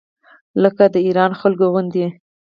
لکه د ایران خلکو غوندې.